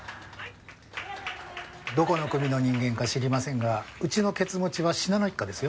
どこの組の人間か知りませんがうちのケツ持ちは信濃一家ですよ。